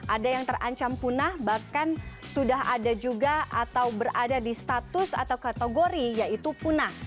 ada yang terancam punah bahkan sudah ada juga atau berada di status atau kategori yaitu punah